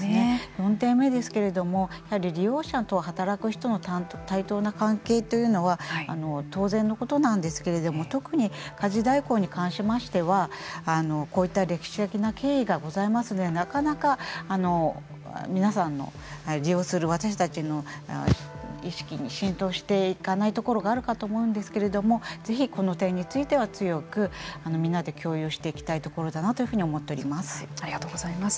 ４点目ですけれども利用者と働く人の対等な関係というのは当然のことなんですけれども特に家事代行に関しましてはこういった歴史的な経緯がございますのでなかなか皆さんの利用する私たちの意識に浸透していかないところがあるかと思うんですけれどもぜひこの点については強くみんなで共有していきたいところだなとありがとうございます。